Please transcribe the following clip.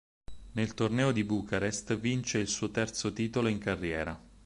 Nel torneo di Bucarest vince il suo terzo titolo in carriera.